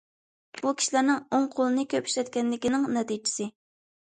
بۇ كىشىلەرنىڭ ئوڭ قولىنى كۆپ ئىشلەتكەنلىكىنىڭ نەتىجىسى.